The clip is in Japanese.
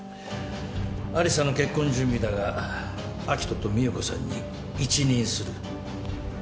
有沙の結婚準備だが明人と美保子さんに一任する。